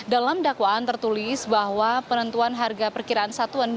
dalam dakwaan tertulis bahwa penentuan harga perkiraan satuan